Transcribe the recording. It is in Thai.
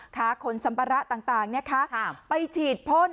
ขาขนสัมปะระต่างนะคะไปฉีดพ่น